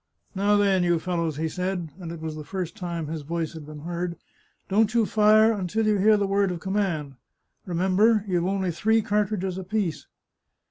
" Now, then, you fellows," he said, and it was the first time his voice had been heard, " don't you fire until you hear the word of command. Remember, you've only three cartridges apiece."